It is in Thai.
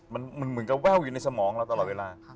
มันเหมือนกับแว่วอยู่ในสมองเราตลอดเวลา